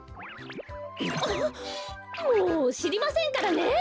もうしりませんからね！